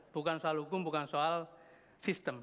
bukan soal hukum bukan soal sistem